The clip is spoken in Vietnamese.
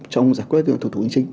trong giải quyết thủ tục hành chính